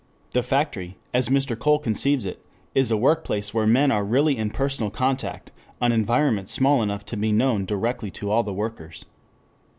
The factory, as Mr. Cole conceives it, is a work place where men are really in personal contact, an environment small enough to be known directly to all the workers.